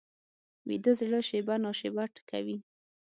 ویده زړه شېبه نا شېبه ټکوي